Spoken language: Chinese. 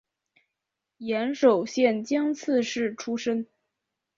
岩手县江刺市出身。